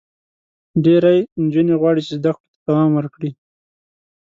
ډېری نجونې غواړي چې زده کړو ته دوام ورکړي.